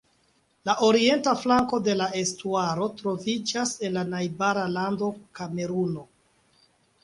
La orienta flanko de la estuaro troviĝas en la najbara lando, Kameruno.